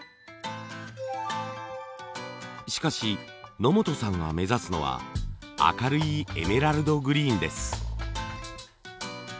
しかし野本さんが目指すのは明るいエメラルドグリーンです。